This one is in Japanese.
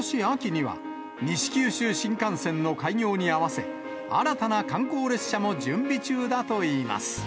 秋には、西九州新幹線の開業に合わせ、新たな観光列車も準備中だといいます。